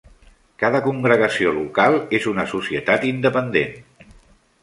Cada congregació local és una societat independent.